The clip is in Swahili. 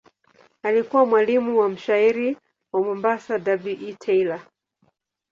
Alikuwa mwalimu wa mshairi wa Mombasa W. E. Taylor.